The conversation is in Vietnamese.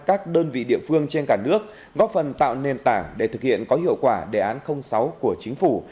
các đơn vị địa phương trên cả nước góp phần tạo nền tảng để thực hiện có hiệu quả đề án sáu của chính phủ